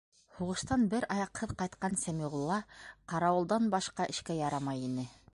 Һуғыштан бер аяҡһыҙ ҡайтҡан Сәмиғулла ҡарауылдан башҡа эшкә ярамай ине.